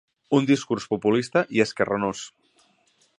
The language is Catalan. Un discurs populista i esquerranós.